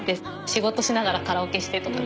仕事しながらカラオケしてとか。